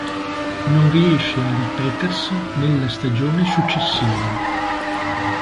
Non riesce a ripetersi nella stagione successiva.